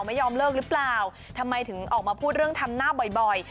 ไม่ยอมเลิกหรือเปล่าทำไมถึงออกมาพูดเรื่องทำหน้าบ่อย